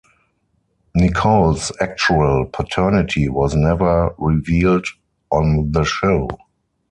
Nicole's actual paternity was never revealed on the show.